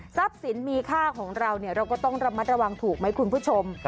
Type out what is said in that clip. สินมีค่าของเราเราก็ต้องระมัดระวังถูกไหมคุณผู้ชม